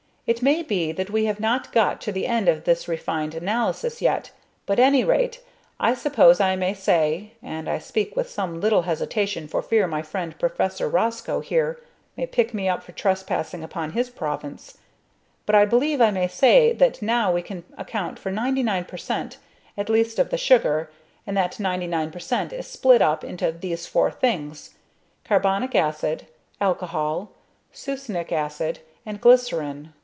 It may be that we have not got to the end of this refined analysis yet, but at any rate, I suppose I may say and I speak with some little hesitation for fear my friend Professor Roscoe here may pick me up for trespassing upon his province but I believe I may say that now we can account for 99 per cent. at least of the sugar, and that 99 per cent. is split up into these four things, carbonic acid, alcohol, succinic acid, and glycerine.